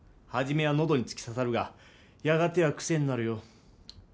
初めはのどに突き刺さるがやがてはくせになるよ。